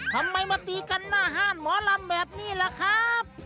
ทำไมมาตีกันหน้าห้านหมอลำแบบนี้ล่ะครับ